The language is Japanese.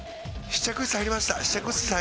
試着室入りました。